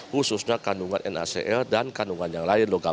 khususnya kandungan nhcl dan kandungan yang lain